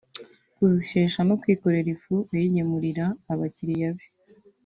kuzishesha no kwikorera ifu ayigemurira abakiriya be